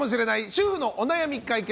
主婦のお悩み解決！